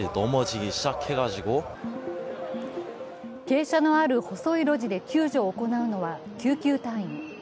傾斜のある細い路地で救助を行うのは救急隊員。